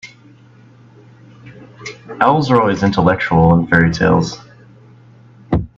Owls are always intellectual in fairy-tales.